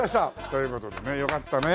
という事でねよかったね。